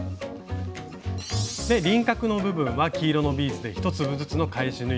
輪郭の部分は黄色のビーズで１粒ずつの返し縫い。